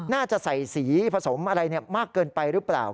น่าจะใส่สีผสมอะไรมากเกินไปหรือเปล่า